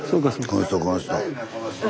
この人この人。